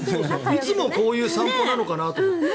いつもこういう散歩なのかなって。